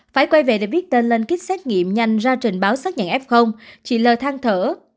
phải quay về để viết tên lên kích xét nghiệm nhanh ra trình báo xác nhận f chỉ lờ thang thở